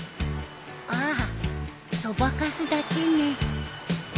ああそばかすだけね。